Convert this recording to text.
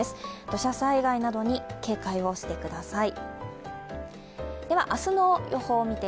土砂災害などに警戒をしてください。